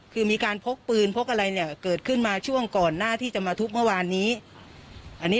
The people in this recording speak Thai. คือมีการพกปืนพกอะไรเนี่ยเกิดขึ้นมาช่วงก่อนหน้าที่จะมาทุบเมื่อวานนี้อันนี้